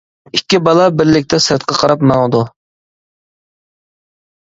ئىككى بالا بىرلىكتە سىرتقا قاراپ ماڭىدۇ.